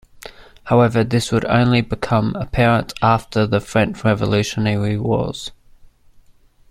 However, this would only become apparent after the French Revolutionary Wars.